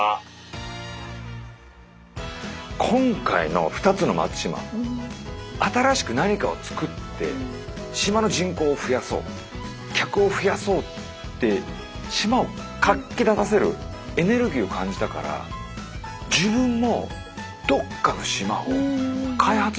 今回の２つの松島新しく何かを作って島の人口を増やそう客を増やそうって島を活気立たせるエネルギーを感じたから自分もすごい分かります。